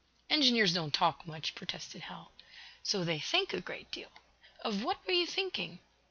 "Engineers don't talk much," protested Hal. "So they think a great deal. Of what were you thinking?"